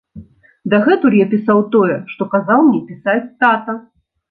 Дагэтуль я пісаў тое, што казаў мне пісаць тата.